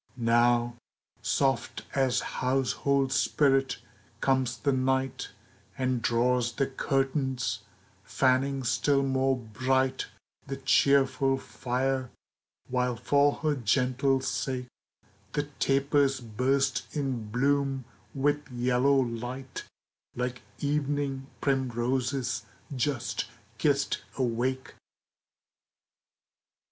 Now, soft as household spirit, comes the Night And draws the curtains, fanning still more bright The cheerful fire, while for her gentle sake The tapers burst in bloom with yellow light, Like evening primroses just kissed awake.